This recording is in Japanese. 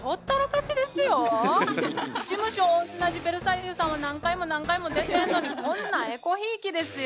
事務所おんなじベルサイユさんは何回も何回も出てんのにこんなんえこひいきですよ。